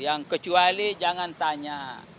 yang kecuali jangan tanya